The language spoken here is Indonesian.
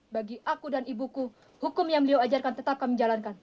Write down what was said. bagi aku dan ibuku hukum yang beliau ajarkan tetap kami jalankan